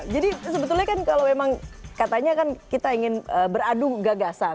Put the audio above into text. jadi sebetulnya kan kalau memang katanya kan kita ingin beradung gagasan